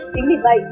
chính vì vậy